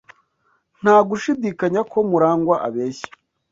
Nta gushidikanya ko Murangwa abeshya.